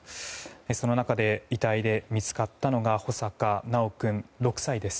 その中で、遺体で見つかったのが穂坂修君、６歳です。